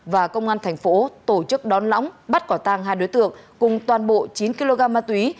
và công an tp tổ chức đón lõng bắt quả tàng hai đối tượng cùng toàn bộ chín kg ma túy